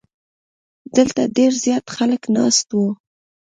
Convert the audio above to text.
دلته ډیر زیات خلک ناست وو.